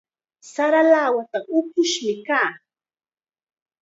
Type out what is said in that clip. Sara lawatam upush kaa.